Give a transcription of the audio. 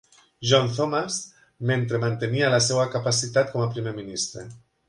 John Thomas, mentre mantenia la seva capacitat com a Primer ministre.